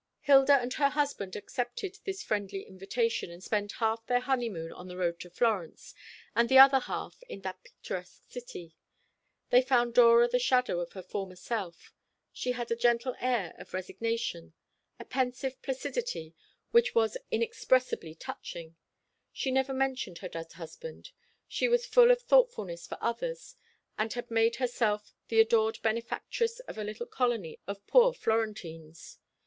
Hilda and her husband accepted this friendly invitation, and spent half their honeymoon on the road to Florence, and the other half in that picturesque city. They found Dora the shadow of her former self. She had a gentle air of resignation, a pensive placidity which was inexpressibly touching. She never mentioned her dead husband. She was full of thoughtfulness for others, and had made herself the adored benefactress of a little colony of poor Florentines.